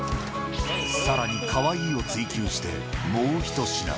さらにかわいいを追求して、もう１品。